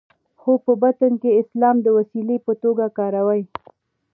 خو په باطن کې اسلام د وسیلې په توګه کاروي.